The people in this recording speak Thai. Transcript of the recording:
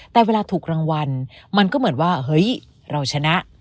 แต่เวลาถูกรางวัลมันก็เหมือนว่าเฮ้ยเราชนะ